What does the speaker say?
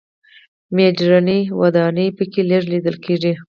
مډرنې ودانۍ په کې لږ لیدل کېږي.